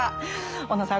小野さん